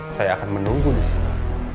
saya akan menunggu di sini